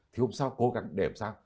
thì hôm sau cố gắng để làm sao